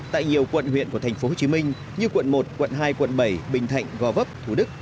tại nhiều quận huyện của thành phố hồ chí minh như quận một quận hai quận bảy bình thạnh gò vấp thú đức